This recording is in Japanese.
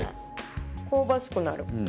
香ばしくなる。